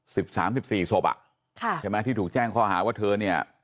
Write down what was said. สิบสามสิบสี่ศพอ่ะค่ะใช่ไหมที่ถูกแจ้งข้อหาว่าเธอเนี่ย